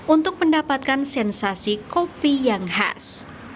untuk mendapatkan sensasi kopi yang khas